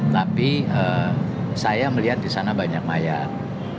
tapi saya melihat di sana banyak mayat